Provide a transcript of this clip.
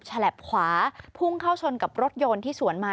ฉลับขวาพุ่งเข้าชนกับรถยนต์ที่สวนมา